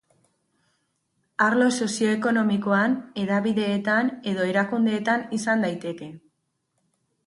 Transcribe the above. Arlo sozio-ekonomikoan, hedabideetan edo erakundeetan izan daiteke.